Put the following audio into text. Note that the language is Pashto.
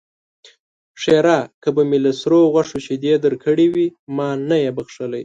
ښېرا: که به مې له سرو غوښو شيدې درکړې وي؛ ما نه يې بښلی.